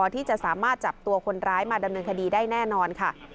ที่จะสามารถจับตัวคนร้ายมาดำเนินคดีได้แน่นอนค่ะ